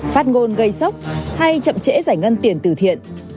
phát ngôn gây sốc hay chậm trễ giải ngân tiền từ thiện